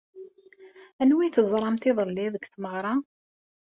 Anwa ay teẓramt iḍelli deg tmeɣra?